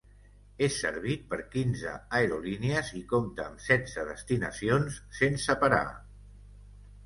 És servit per quinze aerolínies i compta amb setze destinacions sense parar.